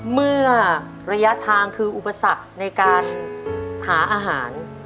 เมื่อระยะทางคืออุปสรรคในการหาอาหาร